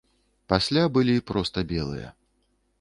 Пасля былі проста белыя.